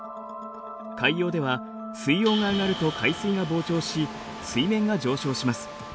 海洋では水温が上がると海水が膨張し水面が上昇します。